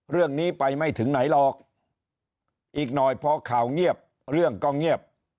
เรื่องนี้ไปไม่ถึงไหนหรอกอีกหน่อยพอข่าวเงียบเรื่องก็เงียบ